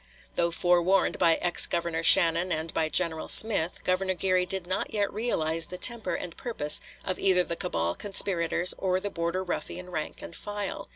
Though forewarned by ex Governor Shannon and by General Smith, Governor Geary did not yet realize the temper and purpose of either the cabal conspirators or the Border Ruffian rank and file.